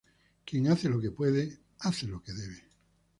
Quien hace lo que puede, hace lo que debe